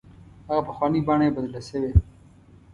هغه پخوانۍ بڼه یې بدله شوې.